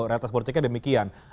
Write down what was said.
reatas porteknya demikian